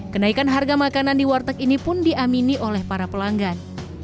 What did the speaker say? kenaikan harga makanan di warteg ini pun diaminin